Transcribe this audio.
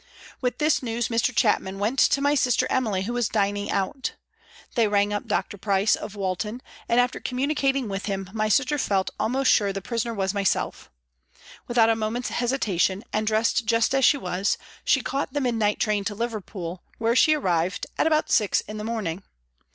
With this news Mr. Chapman went to my sister Emily, who was dining out. They rang up Dr. Price, of Walton, and after communicating with him my sister felt almost sure the prisoner was myself. Without a moment's hesitation, and dressed just as she was, she caught the midnight train to Liverpool, where she arrived at about six in the morning.